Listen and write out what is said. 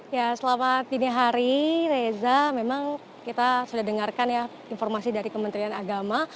ya selamat dini hari reza memang kita sudah dengarkan ya informasi dari kementerian agama